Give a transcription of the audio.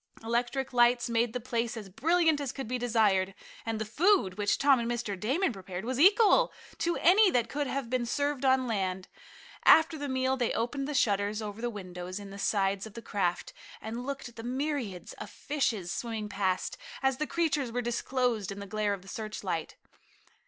Electric lights made the place as brilliant as could be desired, and the food, which Tom and Mr. Damon prepared, was equal to any that could have been served on land. After the meal they opened the shutters over the windows in the sides of the craft, and looked at the myriads of fishes swimming past, as the creatures were disclosed in the glare of the searchlight.